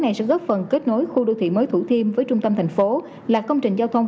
này sẽ góp phần kết nối khu đô thị mới thủ thiêm với trung tâm thành phố là công trình giao thông